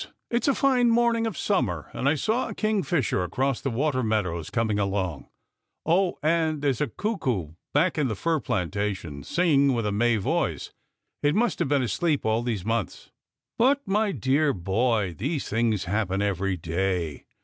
It's a fine morning of summer, and I saw a kingfisher across the water meadows coming along. Oh, and there's a cuckoo back in the fir plantation, singing with a May voice. It must have been asleep all these months." " But, my dear boy, these things happen every day.